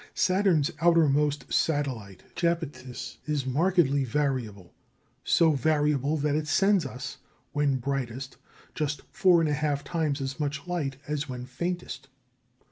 Saturn's outermost satellite, Japetus, is markedly variable so variable that it sends us, when brightest, just 4 1/2 times as much light as when faintest.